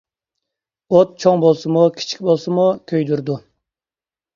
ئوت چوڭ بولسىمۇ كىچىك بولسىمۇ كۆيدۈرىدۇ.